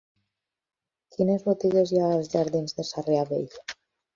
Quines botigues hi ha als jardins de Sarrià Vell?